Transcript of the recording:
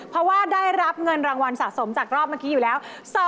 เพราะว่าได้รับเงินรางวัลสะสมจากรอบเมื่อกี้อยู่แล้ว